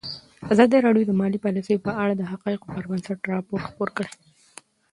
ازادي راډیو د مالي پالیسي په اړه د حقایقو پر بنسټ راپور خپور کړی.